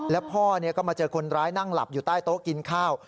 แล้วพ่อก็มาเจอคนร้ายนั่งหลับอยู่ใต้โต๊ะกินข้าว